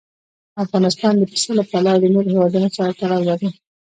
افغانستان د پسه له پلوه له نورو هېوادونو سره اړیکې لري.